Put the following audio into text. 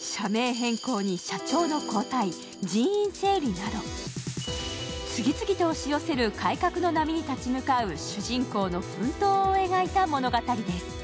社名変更に社長の交代、人員整理など、次々と押し寄せる改革の波に立ち向かう主人公の奮闘を描いた物語です。